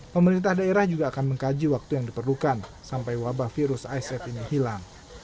pemerintah daerah juga akan mengkaji waktu yang diperlukan sampai wabah virus asf ini hilang